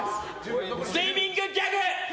スイミングギャグ！